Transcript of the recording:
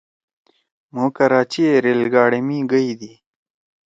مھو کراچی ئے ریل گاڑے می گئی دی۔